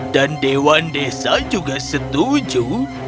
dan dewan desa juga setuju